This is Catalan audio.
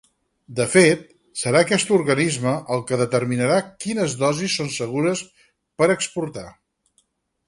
De fet, serà aquest organisme el que determinarà quines dosis són segures per exportar.